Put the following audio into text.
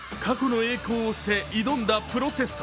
過去の栄光を捨て挑んだプロテスト。